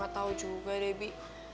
gak tau juga deh bi